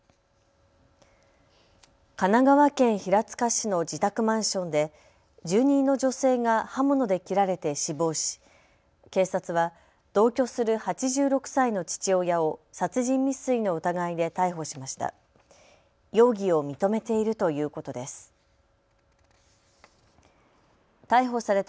神奈川県平塚市の自宅マンションで住人の女性が刃物で切られて死亡し警察は同居する８６歳の父親を殺人未遂の疑いで逮捕しました。